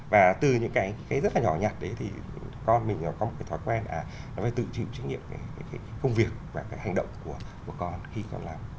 và từ những cái rất là nhỏ nhặt đấy thì con mình có một cái thói quen là phải tự chịu trách nhiệm công việc và hành động của bố con khi con làm